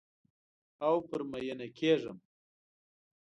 او پر میینه کیږم